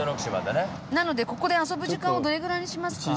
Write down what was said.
なのでここで遊ぶ時間をどれぐらいにしますか？